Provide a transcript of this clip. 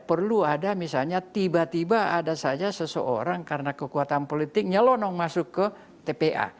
perlu ada misalnya tiba tiba ada saja seseorang karena kekuatan politiknya lonong masuk ke tpa